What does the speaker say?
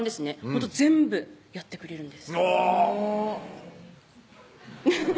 ほんと全部やってくれるんですおぉ